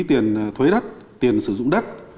tiền thuế đất tiền sử dụng đất